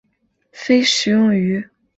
非食用鱼。